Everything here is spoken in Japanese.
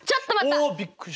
おびっくりした！